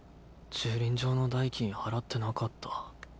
駐輪場の代金払ってなかった。